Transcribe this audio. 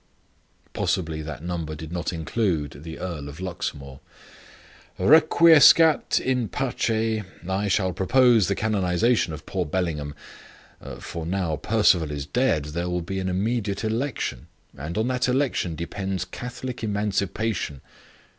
Possibly that number did not include the Earl of Luxmore. "Requiescat in pace! I shall propose the canonization of poor Bellingham. For now Perceval is dead there will be an immediate election; and on that election depends Catholic Emancipation.